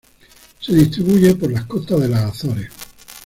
Se distribuye por las costas de las Azores.